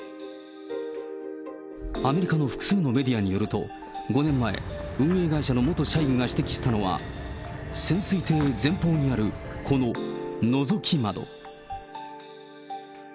アメリカの複数のメディアによると、５年前、運営会社の元社員が指摘したのは、潜水艇前方にある、こののぞき窓。